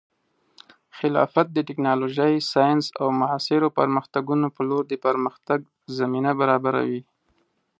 خلافت د ټیکنالوژۍ، ساینس، او معاصرو پرمختګونو په لور د پرمختګ زمینه برابروي.